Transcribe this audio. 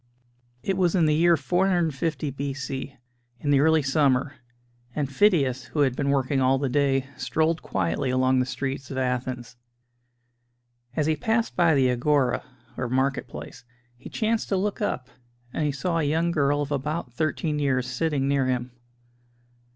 It was in the year 450 B.C., in the early summer, and Phidias, who had been working all the day, strolled quietly along the streets of Athens. As he passed by the Agora (or market place), he chanced to look up, and he saw a young girl of about thirteen years sitting near him.